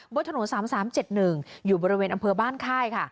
บริษัท๓๓๗๑อยู่บริเวณอำเภอบ้านค่าย